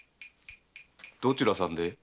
どちらさんで？